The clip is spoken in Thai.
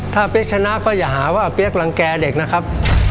ถ้าเปี๊กชนะก็อย่าหาว่าเปี๊ยกรังแก่เด็กนะครับ